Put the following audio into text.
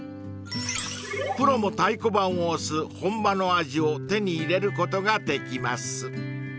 ［プロも太鼓判を押す本場の味を手に入れることができます］